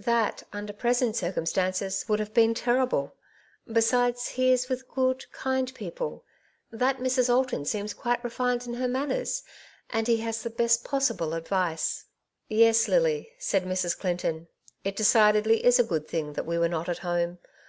That, under present circumstances, would have been terrible. Besides, he is with good, kind people — that Mrs. Alton seems quite refined in her manners — and he has the best possible advice.'' " Yes, Lily," said Mrs. Clinton ;" it decidedly is a good thing that we were not at home.